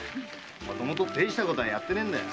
もともとたいしたことはやってねえんだよ。